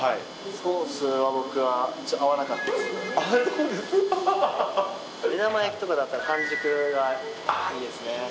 ソースは、僕は合わなかったですね。